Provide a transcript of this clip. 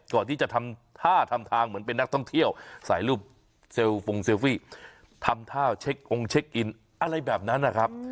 ก่อนที่จะทำท่าทำทางเหมือนเป็นนักท่องเที่ยวใส่รูปเซลฟงเซลฟี่ทำท่าเช็คองค์เช็คอินอะไรแบบนั้นนะครับ